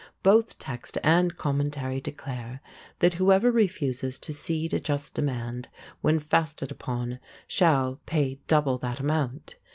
Both text and commentary declare that whoever refuses to cede a just demand when fasted upon shall pay double that amount.